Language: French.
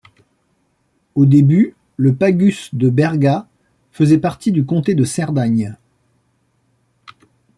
Au début, le pagus de Berga faisait partie du comté de Cerdagne.